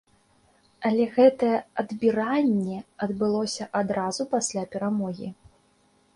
Але гэтае адбіранне адбылося адразу пасля перамогі.